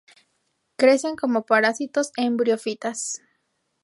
Crecen como parásitos en briofitas.